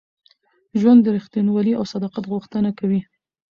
ژوند د رښتینولۍ او صداقت غوښتنه کوي.